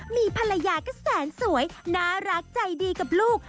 มีภรรยาก็แสนสวยน่ารักใจดีกับลูก